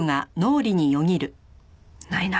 ないな。